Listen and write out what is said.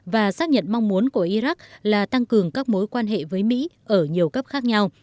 và xác nhận mong muốn của iraq là tăng cường các mối quan hệ với mỹ ở nhiều cấp khác nhau